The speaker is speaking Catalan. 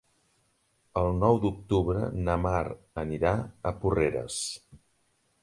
El nou d'octubre na Mar anirà a Porreres.